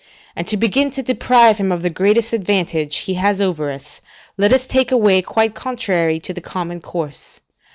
And to begin to deprive him of the greatest advantage he has over us, let us take a way quite contrary to the common course.